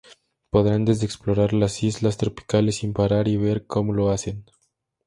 Podrán desde explorar las islas tropicales sin parar y ver cómo lo hacen.